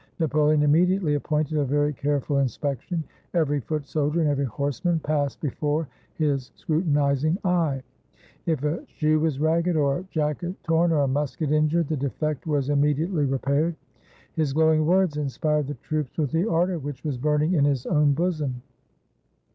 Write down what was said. Napoleon immediately appointed a very careful inspec tion. Every foot soldier and every horseman passed before his scrutinizing eye. If a shoe was ragged, or a jacket torn, or a musket injured, the defect was im mediately repaired. His glowing words inspired the troops with the ardor which was burning in his own bosom.